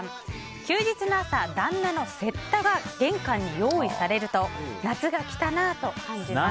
休日の朝旦那の雪駄が玄関に用意されると夏が来たなと感じます。